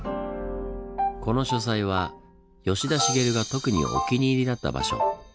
この書斎は吉田茂が特にお気に入りだった場所。